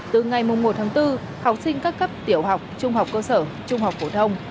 từ ngày một tháng bốn học sinh các cấp tiểu học trung học cơ sở trung học phổ thông